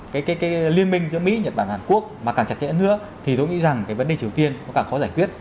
cái liên minh giữa mỹ nhật bản và hàn quốc mà càng chặt chẽ hơn nữa thì tôi nghĩ rằng cái vấn đề triều tiên nó càng khó giải quyết